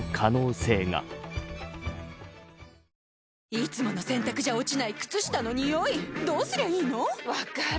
いつもの洗たくじゃ落ちない靴下のニオイどうすりゃいいの⁉分かる。